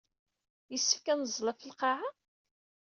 Yessefk ad neẓẓel ɣef lqaɛa?